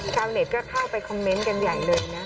ชาวเน็ตก็เข้าไปคอมเมนต์กันใหญ่เลยนะ